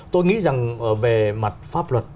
tôi nghĩ rằng về mặt pháp luật